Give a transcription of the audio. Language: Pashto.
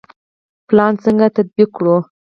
پلان څنګه تطبیق کړو؟